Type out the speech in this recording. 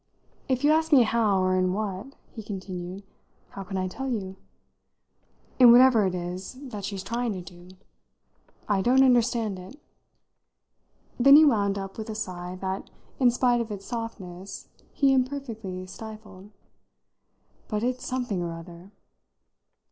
If you ask me how, or in what," he continued, "how can I tell you? In whatever it is that she's trying to do. I don't understand it." Then he wound up with a sigh that, in spite of its softness, he imperfectly stifled. "But it's something or other!"